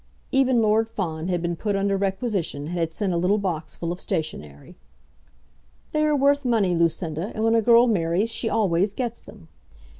Even Lord Fawn had been put under requisition, and had sent a little box full of stationery. "They are worth money, Lucinda; and when a girl marries she always gets them."